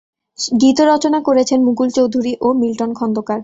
গীত রচনা করেছেন মুকুল চৌধুরী ও মিল্টন খন্দকার।